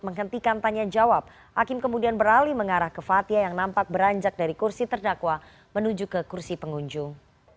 menghentikan tanya jawab hakim kemudian beralih mengarah ke fathia yang nampak beranjak dari kursi terdakwa menuju ke kursi pengunjung